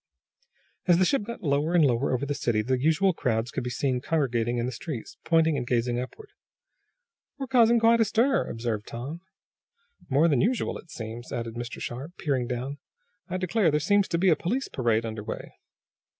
As the ship got lower and lower over the city the usual crowds could be seen congregating in the streets, pointing and gazing upward. "We're creating quite a stir," observed Tom. "More than usual, it seems," added Mr. Sharp, peering down. "I declare, there seems to be a police parade under way."